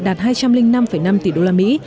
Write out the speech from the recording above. đạt hai trăm linh năm năm tỷ đô la mỹ